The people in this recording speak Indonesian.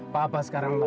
bapak sekarang lega ma